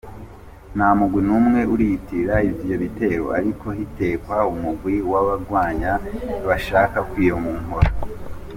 Nta mugwi n'umwe uriyitirira ivyo bitero, ariko hikekwa umugwi w'abagwanyi bashaka kwiyonkora.